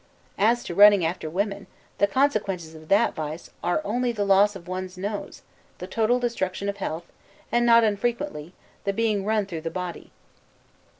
As to running after women, the consequences of that vice are only the loss of one's nose, the total destruction of health, and, not unfrequently, the being run through the body.